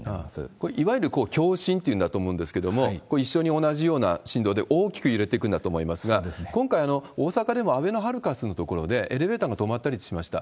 これ、いわゆる強震っていうんだと思うんですけれども、一緒に同じような震動で、大きく揺れていくんだと思うんですが、今回、大阪でもあべのハルカスの所でエレベーターが止まったりしました。